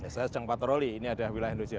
saya sedang patroli ini ada wilayah indonesia